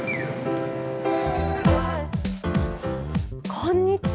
こんにちは。